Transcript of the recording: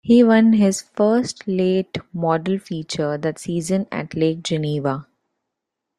He won his first late model feature that season at Lake Geneva.